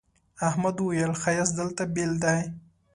احمد وويل: ښایست دلته بېل دی.